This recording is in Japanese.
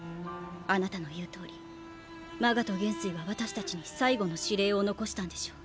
あなたの言うとおりマガト元帥は私たちに最後の指令を遺したんでしょう。